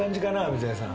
水谷さん。